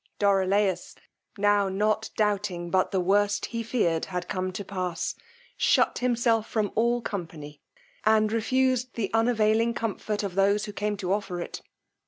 Dorilaus, now not doubting but the worst he feared had come to pass, shut himself from all company, and refused the unavailing comfort of those who came to offer it.